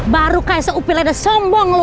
baru kaya seupil ada sombong lu